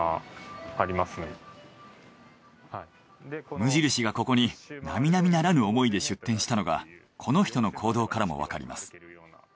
無印がここになみなみならぬ思いで出店したのがこの人の行動からもわかります。